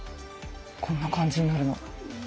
こんな感じになるの。